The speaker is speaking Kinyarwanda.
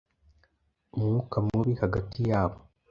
umwuka mubi hagati yabo.